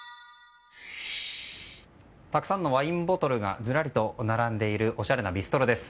たくさんのワインボトルがずらりと並んでいるおしゃれなビストロです。